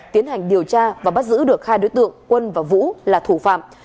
tiến hành điều tra và bắt giữ được hai đối tượng quân và vũ là thủ phạm